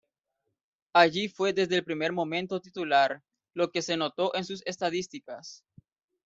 Allí fue desde el primer momento titular, lo que se notó en sus estadísticas.